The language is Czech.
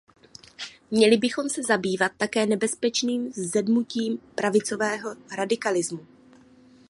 Měli bychom se zabývat také nebezpečným vzedmutím pravicového radikalismu.